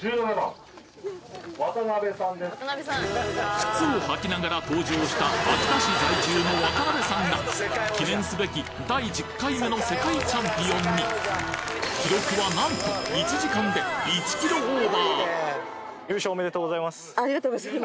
靴をはきながら登場した秋田市在住の渡部さんが記念すべき第１０回目の世界チャンピオンに記録はなんと１時間で１キロオーバー２連覇目指して来年も頑張ってください